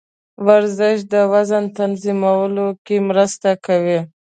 ورزش د وزن تنظیمولو کې مرسته کوي.